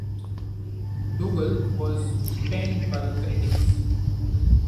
"Doogal" was panned by critics.